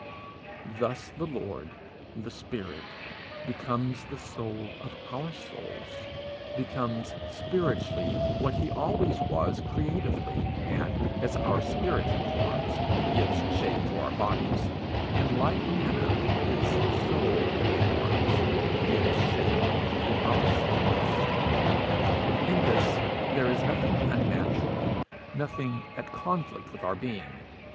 Thus the Lord, the spirit, becomes the soul of our souls, becomes spiritually what he always was creatively; and as our spirit informs, gives shape to our bodies, in like manner his soul informs, gives shape to our souls. In this there is nothing unnatural, nothing at conflict with our being.